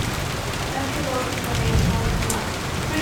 Wnewch chi ddod gyda fi os gwelwch yn dda.